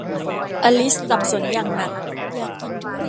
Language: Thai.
อลิซสับสนอย่างหนัก